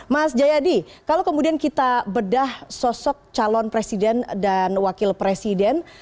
mas jayadi kalau kemudian kita bedah sosok calon presiden dan wakil presiden